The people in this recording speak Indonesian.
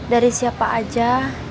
dari siapa aja